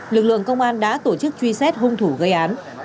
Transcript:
lực lượng công an đã tổ chức truy xét hung thủ gây án